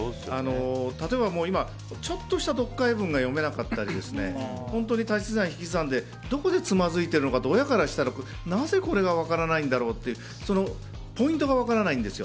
例えば、今はちょっとした読解文が読めなかったり足し算、引き算でどこでつまずいてるのかって親からしたら、なぜこれが分からないのかというポイントが分からないんです。